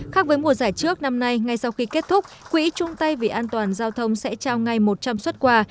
khác với mùa giải trước năm nay ngay sau khi kết thúc quỹ trung tây vì an toàn giao thông sẽ trao ngay một trăm linh xuất quà